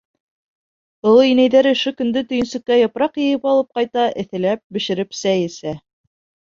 Оло инәйҙәр ошо көндә төйөнсөккә япраҡ йыйып алып ҡайта, эҫеләп бешереп, сәй эсә.